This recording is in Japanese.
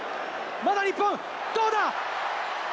まだ日本、どうだ？